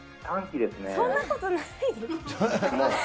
そんなことないよ。